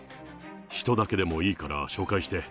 人だけでもいいから紹介して。